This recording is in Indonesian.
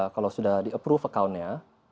kalau sudah di approve account nya